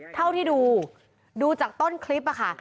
เท่าที่ดูดูจากต้นคลิปค่ะ